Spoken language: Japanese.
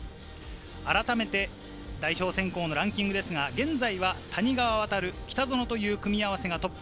改めて代表選考のランキングですが、現在は谷川航、北園という組み合わせがトップ。